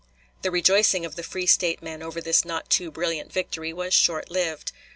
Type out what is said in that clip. The rejoicing of the free State men over this not too brilliant victory was short lived.